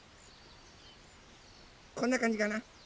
こんなかんじかな？